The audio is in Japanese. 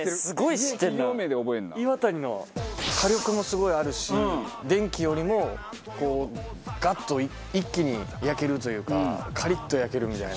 火力もすごいあるし電気よりもガッと一気に焼けるというかカリッと焼けるみたいな。